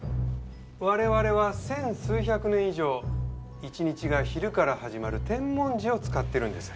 我々は千数百年以上１日が昼から始まる天文時を使ってるんです。